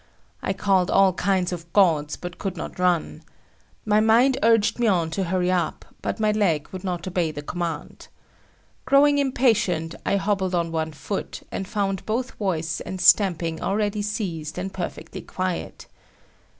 I called all kinds of gods, but could not run. My mind urged me on to hurry up, but my leg would not obey the command. Growing impatient, I hobbled on one foot, and found both voice and stamping already ceased and perfectly quiet.